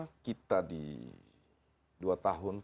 dua tahun terakhir setelah pilkari bnp contradokter